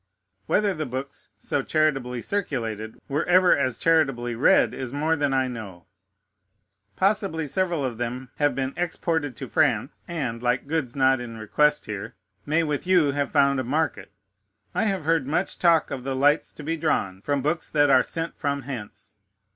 Whether the books so charitably circulated were ever as charitably read is more than I know. Possibly several of them have been exported to France, and, like goods not in request here, may with you have found a market. I have heard much talk of the lights to be drawn from books that are sent from hence.